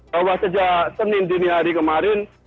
bahwa sejak senin dini hari kemarin